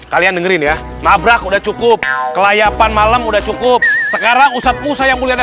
kalian dengerin ya nabrak udah cukup kelayapan malam udah cukup sekarang usapu saya mulia